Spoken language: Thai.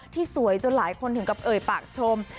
สวยจนหลายคนถึงกับเอ่ยปากชม